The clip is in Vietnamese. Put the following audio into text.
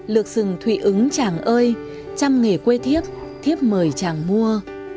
lược sừng thụy ứng chàng ơi trăm nghề quê thiếp thiếp mời chàng mua